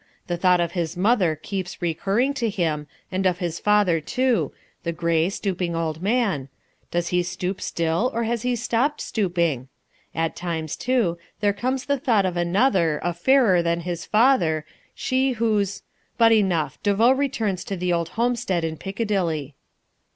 The thought of his mother keeps recurring to him, and of his father, too, the grey, stooping old man does he stoop still or has he stopped stooping? At times, too, there comes the thought of another, a fairer than his father; she whose but enough, De Vaux returns to the old homestead in Piccadilly.